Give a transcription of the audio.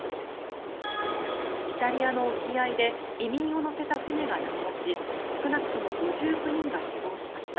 イタリアの沖合で移民を乗せた船が難破し少なくとも５９人が死亡しました。